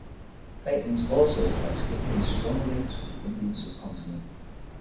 Bateman's also reflects Kipling's strong links with the Indian subcontinent.